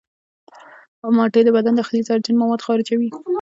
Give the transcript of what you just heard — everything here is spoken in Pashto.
مالټې د بدن داخلي زهرجن مواد خارجوي.